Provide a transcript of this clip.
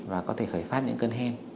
và có thể khởi phát những cơn hen